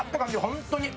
本当に。